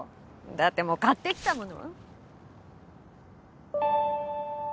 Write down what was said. だってもう買ってきたもの。